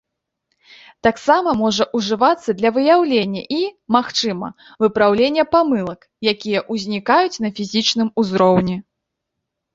Таксама можа ўжывацца для выяўлення і, магчыма, выпраўлення памылак, якія узнікаюць на фізічным узроўні.